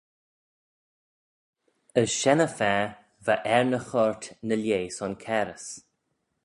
As shen-y-fa ve er ny choyrt ny lieh son cairys.